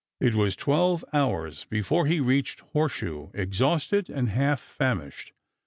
It was twelve hours before he reached Horseshoe, exhausted and half famished.